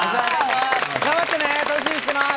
頑張ってね、楽しみにしてます。